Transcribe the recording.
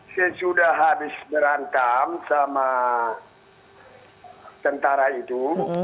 saya sudah habis berantam sama tentara itu